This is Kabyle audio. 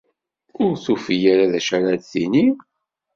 Ur tufi ara d acu ara d-tini?